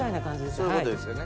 そういうことですよね。